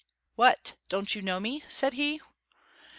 'What! don't you know me?' said he.